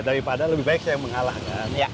daripada lebih baik saya yang mengalahkan